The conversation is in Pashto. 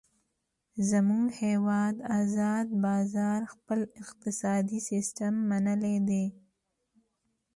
زمونږ هیواد ازاد بازار خپل اقتصادي سیستم منلی دی.